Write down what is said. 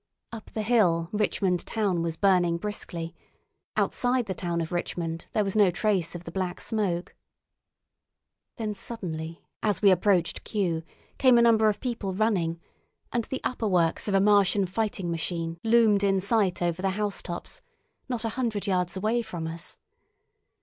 Up the hill Richmond town was burning briskly; outside the town of Richmond there was no trace of the Black Smoke. Then suddenly, as we approached Kew, came a number of people running, and the upperworks of a Martian fighting machine loomed in sight over the housetops, not a hundred yards away from us.